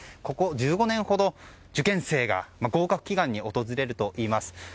ここ１５年ほど受験生が合格祈願に訪れるといいます。